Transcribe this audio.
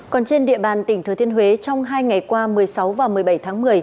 còn trên địa bàn tỉnh thừa thiên huế trong hai ngày qua một mươi sáu và một mươi bảy tháng một mươi